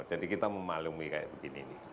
jadi kita memaklumi kayak begini